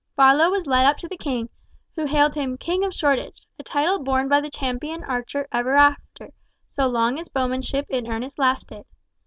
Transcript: Barlow was led up to the king, who hailed him "King of Shoreditch," a title borne by the champion archer ever after, so long as bowmanship in earnest lasted.